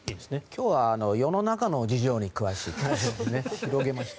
今日は世の中の事情に詳しいということで広げました。